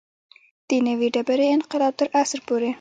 د نوې ډبرې انقلاب تر عصر پورې.